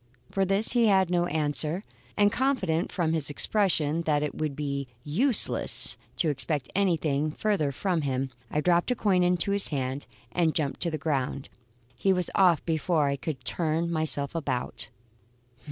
For this he had no answer; and confident from his expression that it would be useless to expect anything further from him, I dropped a coin into his hand, and jumped to the ground. He was off before I could turn myself about.